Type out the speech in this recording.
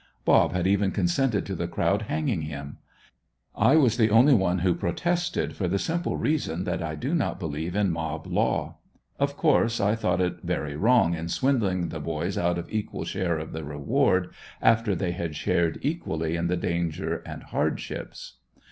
"Bob" had even consented to the crowd hanging him. I was the only one who protested, for the simple reason that I do not believe in mob law. Of course I thought it very wrong in swindling the boys out of equal share of the reward, after they had shared equally in the danger and hardships.